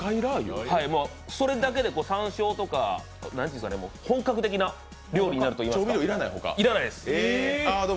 それだけで、さんしょうとか、本格的な料理になるといいますか、いらないです。